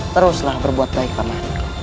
teruslah berbuat baik paman